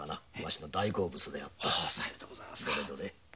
どれどれ。